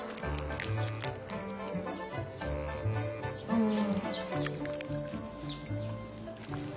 うん。